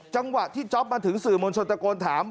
จังหวะที่จ๊อปมาถึงสื่อมวลชนตะโกนถาม